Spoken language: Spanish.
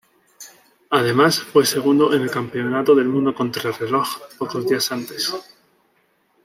Además fue segundo en el Campeonato del Mundo Contrarreloj pocos días antes.